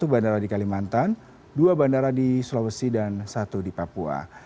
satu bandara di kalimantan dua bandara di sulawesi dan satu di papua